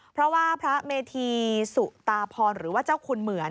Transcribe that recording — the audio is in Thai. เพราะว่าพระเมธีสุตาพรหรือว่าเจ้าคุณเหมือน